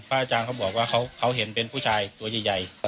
อาจารย์เขาบอกว่าเขาเห็นเป็นผู้ชายตัวใหญ่